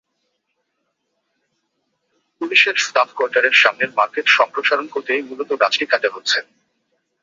পুলিশের স্টাফ কোয়ার্টারের সামনের মার্কেট সম্প্রসারণ করতেই মূলত গাছটি কাটা হচ্ছে।